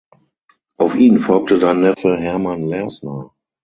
Auf ihn folgte sein Neffe Hermann Lersner.